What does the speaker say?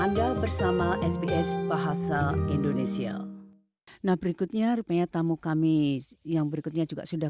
anda bersama sps bahasa indonesia nah berikutnya rupanya tamu kami yang berikutnya juga sudah